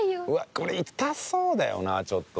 これ痛そうだよなちょっと。